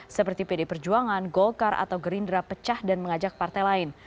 seperti pd perjuangan golkar atau gerindra pecah dan mengajak partai lain